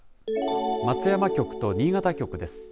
松山局と新潟局です。